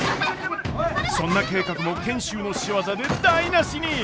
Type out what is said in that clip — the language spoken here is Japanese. そんな計画も賢秀の仕業で台なしに！